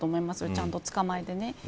ちゃんと捕まえてね。